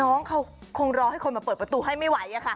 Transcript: น้องเขาคงรอให้คนมาเปิดประตูให้ไม่ไหว